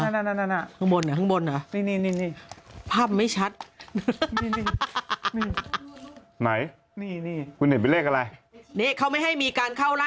ตรงนี้ตรงนี้ตรงนี้ใกล้ผ้าสีเขียวน่ะ